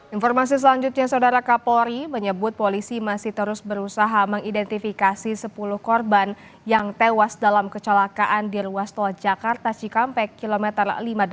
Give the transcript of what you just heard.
informasi selanjutnya saudara kapolri menyebut polisi masih terus berusaha mengidentifikasi sepuluh korban yang tewas dalam kecelakaan di ruas tol jakarta cikampek kilometer lima puluh delapan